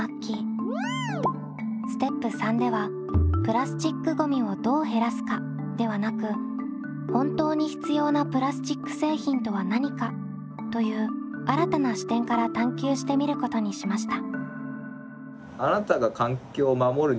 ステップ③ではプラスチックごみをどう減らすかではなく本当に必要なプラスチック製品とは何かという新たな視点から探究してみることにしました。についてインターネットで調べます。